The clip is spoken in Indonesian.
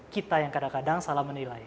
kita yang kadang kadang salah menilai